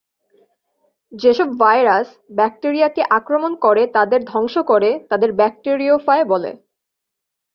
যেসব ভাইরাস ব্যাকটেরিয়াকে আক্রমণ করে তাদের ধ্বংস করে, তাদের ব্যাকটেরিওফায় বলে।